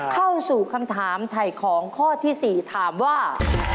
เข้าสู่คำถามถ่ายของข้อที่๔ถามว่า